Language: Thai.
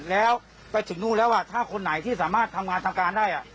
แล้วไปถึงนู่นแล้วถ้าคนไหนที่สามารถทำงานทำการได้